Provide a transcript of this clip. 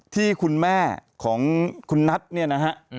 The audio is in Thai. ที่คุณแม่ของคุณนัทเนี่ยนะฮะ